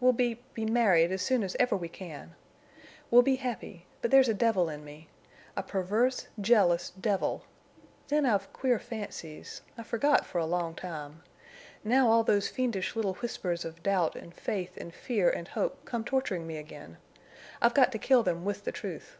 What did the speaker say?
We'll be—be married as soon as ever we can. We'll be happy—but there's a devil in me. A perverse, jealous devil! Then I've queer fancies. I forgot for a long time. Now all those fiendish little whispers of doubt and faith and fear and hope come torturing me again. I've got to kill them with the truth."